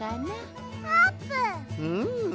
うん。